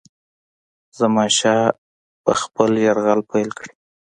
زمانشاه به خپل یرغل پیل کړي.